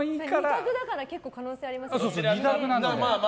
２択だから可能性ありますよ。